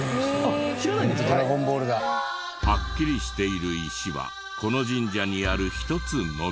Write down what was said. ハッキリしている石はこの神社にある１つのみ。